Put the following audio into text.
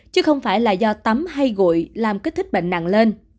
chứ không phải là do tắm hay gụi làm kích thích bệnh nặng lên